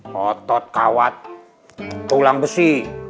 kotot kawat tulang besi